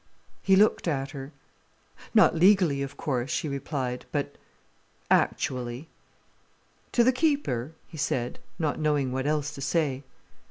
He looked at her. "Not legally, of course," she replied. "But—actually." "To the keeper?" he said, not knowing what else to say.